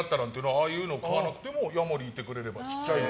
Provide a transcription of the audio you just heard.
ああいうの買わなくてもヤモリいてくれれば。